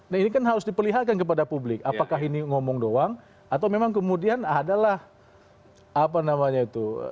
nah ini kan harus diperlihatkan kepada publik apakah ini ngomong doang atau memang kemudian adalah apa namanya itu